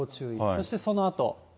そしてそのあと。